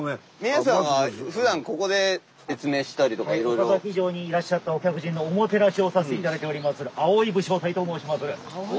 岡崎城にいらっしゃったお客人のおもてなしをさせて頂いておりまする「葵」武将隊と申しまする。